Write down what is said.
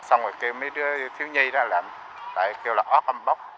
xong rồi kêu mấy đứa thiếu nhi đó là phải kêu là ốc âm bốc